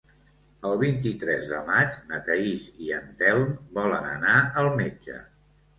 El vint-i-tres de maig na Thaís i en Telm volen anar al metge.